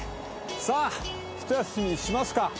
さあひと休みしますか。